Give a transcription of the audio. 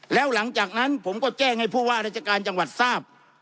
แล้วหลังจากนั้นผมก็แจ้งให้ผู้ว่าราชการจังหวัดทราบ